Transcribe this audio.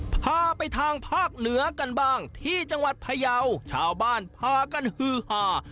พาไปทางภาคเหนือกันบ้างที่จังหวัดพยาวชาวบ้านพากันฮือหา